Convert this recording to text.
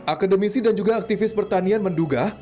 akademisi dan juga aktivis pertanian menduga